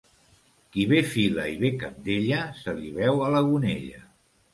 Qui bé fila i bé cabdella, se li veu a la gonella.